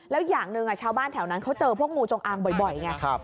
แล้วอย่างหนึ่งชาวบ้านแถวนั้นเขาเจอพวกงูจงอางบ่อยไง